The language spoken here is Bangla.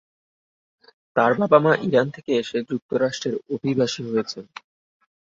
তার মা-বাবা ইরান থেকে এসে যুক্তরাষ্ট্রে অভিবাসী হয়েছেন।